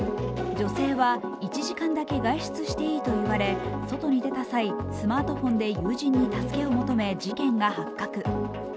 女性は１時間だけ外出していいと言われ、外に出た際、スマートフォンで友人に助けを求め事件が発覚。